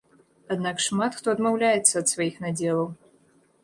Аднак шмат хто адмаўляецца ад сваіх надзелаў.